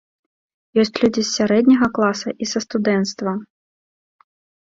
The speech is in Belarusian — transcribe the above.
Ёсць людзі з сярэдняга класа і са студэнцтва.